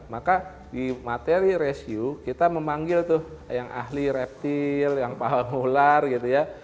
maka di materi resiu kita memanggil tuh yang ahli reptil yang paham ular gitu ya